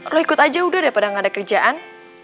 lo ikut aja udah daripada nggak ada kerjaan